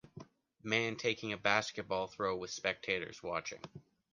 Man taking a basketball throw with spectators watching.